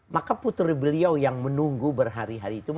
maka putri beliau yang menunggu berhati hati